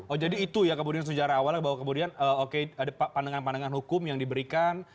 oh jadi itu ya kemudian sejarah awalnya bahwa kemudian oke ada pandangan pandangan hukum yang diberikan